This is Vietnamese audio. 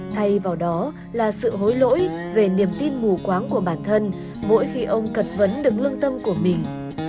thay vào đó là sự hối lỗi về niềm tin mù quáng của bản thân mỗi khi ông cật vấn đứng lưng tâm của mình